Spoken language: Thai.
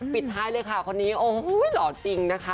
ปิดท้ายเลยค่ะคนนี้โอ้โหหล่อจริงนะคะ